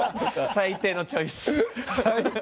最低のチョイス。